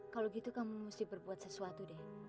kalau gitu kamu mesti berbuat sesuatu deh